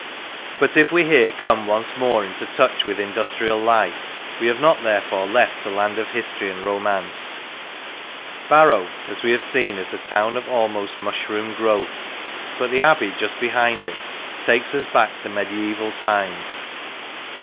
But if we here come once more into touch with industrial life, we have not therefore left the land of history and romance. Barrow, as we have seen, is a town of almost mushroom growth, but the Abbey, just behind it, takes us back to mediaeval times.